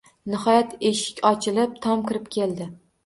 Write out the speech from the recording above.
Nihoyat, eshik ochilib, Tom kirib keldi